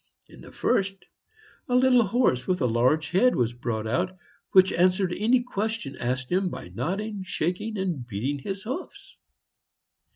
In the first a little horse with a large head was brought out, which answered any questions asked him by nodding, shaking, and beating his hoofs.